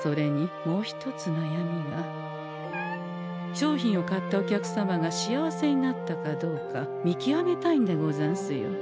商品を買ったお客様が幸せになったかどうか見極めたいんでござんすよ。